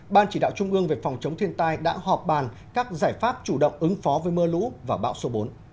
ban chỉ đạo trung ương về phòng chống thiên tai đã họp bàn các giải pháp chủ động ứng phó với mưa lũ và bão số bốn